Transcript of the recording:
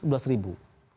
sudah sebelas ribu